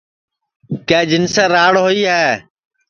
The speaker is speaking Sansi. کہ جنسے راڑ ہوئی ہے